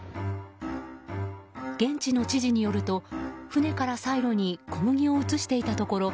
現地の知事によると船からサイロに小麦を移していたところ